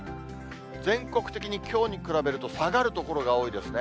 全国的にきょうに比べると下がる所が多いですね。